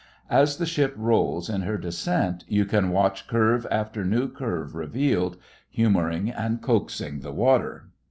As the ship rolls in her descent you can watch curve after new curve revealed, humouring and coaxing the water.